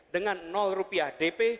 dengan rupiah dp